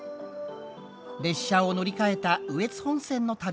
列車を乗り換えた羽越本線の旅。